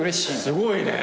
すごいね。